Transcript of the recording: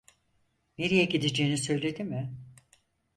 Nereye gideceğini söyledi mi?